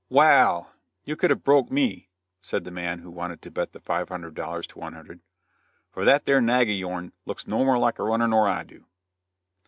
"Wa all, you could have broke me" said the man who wanted to bet the five hundred dollars to one hundred, "for that there nag o' yourn looks no more like a runner nor I do."